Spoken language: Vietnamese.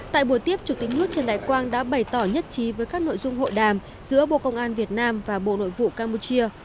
tại buổi tiếp chủ tịch nước trần đại quang đã bày tỏ nhất trí với các nội dung hội đàm giữa bộ công an việt nam và bộ nội vụ campuchia